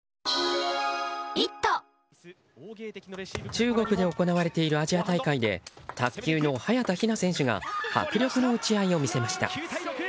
中国で行われているアジア大会で卓球の早田ひな選手が迫力の打ち合いを見せました。